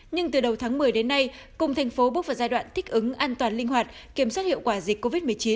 nhưng từ đầu tháng một mươi đến nay cùng thành phố bước vào giai đoạn thích ứng an toàn linh hoạt kiểm soát hiệu quả dịch covid một mươi chín